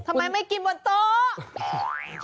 ทำไมไม่กินบนโต๊ะ